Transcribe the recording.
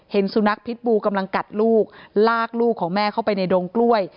สุนัขพิษบูกำลังกัดลูกลากลูกของแม่เข้าไปในดงกล้วย